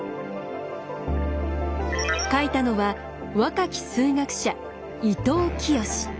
書いたのは若き数学者伊藤清。